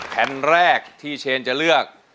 แผ่นแรกที่เชนจะเลือก